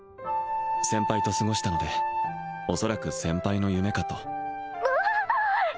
先輩と過ごしたので恐らく先輩の夢かとんあっ！